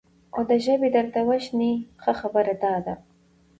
او دا ژبې درته وشني، ښه خبره دا ده،